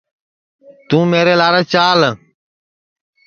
توں میرے لارے چال